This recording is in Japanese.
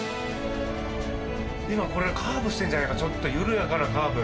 今これカーブしてんじゃないかちょっと緩やかなカーブ。